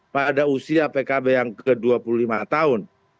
pada usia pkb yang ke dua puluh lima tahun